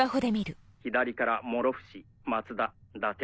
左から諸伏松田伊達